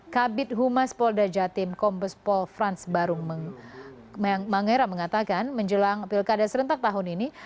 kabit humas polda jatim kombes pol frans barung mangera mengatakan menjelang pilkada serentak tahun ini